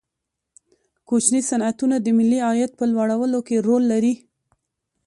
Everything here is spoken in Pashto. کوچني صنعتونه د ملي عاید په لوړولو کې رول لري.